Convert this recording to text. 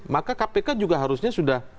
maka kpk juga harusnya sudah